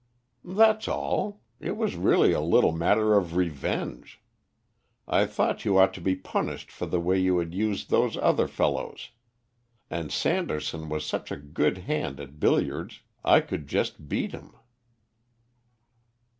"That's all. It was really a little matter of revenge. I thought you ought to be punished for the way you had used those other fellows. And Sanderson was such a good hand at billiards. I could just beat him."